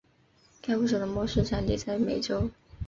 该物种的模式产地在美洲。